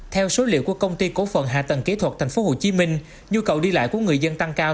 theo số liệu của công ty cổ phận hạ tầng kỹ thuật tp hcm nhu cầu đi lại của người dân tăng cao